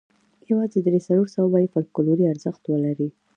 یوازې درې څلور سوه به یې فوکلوري ارزښت ولري.